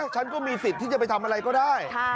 ฉันก็มีสิทธิ์ที่จะไปทำอะไรก็ได้